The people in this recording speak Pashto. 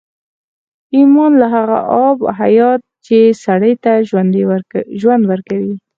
ايمان هغه آب حيات دی چې سړي ته ژوند ورکوي.